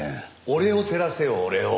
俺を照らせよ俺を。